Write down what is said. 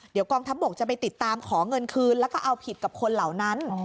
เดี๋ยวกองทัพบกจะไปติดตามขอเงินคืนแล้วก็เอาผิดกับคนเหล่านั้น